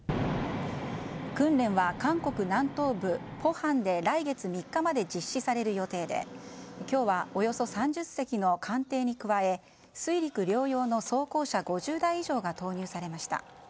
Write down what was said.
訓練は韓国南東部浦項で来月３日まで実施される予定で今日はおよそ３０隻の艦艇に加え水陸両用の装甲車５０台以上が投入されました。